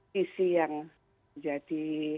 sisi yang menjadi